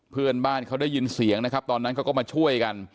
เพื่อนบ้านเขาได้ยินเสียงนะครับตอนนั้นเขาก็มาช่วยกัน